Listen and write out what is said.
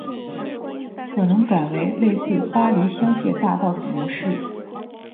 可能改为类似巴黎香榭大道的模式